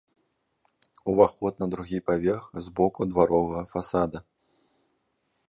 Уваход на другі паверх з боку дваровага фасада.